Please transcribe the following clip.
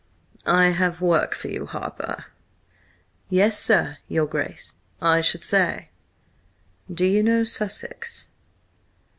"I have work for you, Harper." "Yes, sir–your Grace, I should say." "Do you know Sussex?"